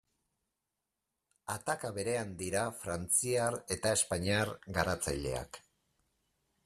Ataka berean dira frantziar eta espainiar garatzaileak.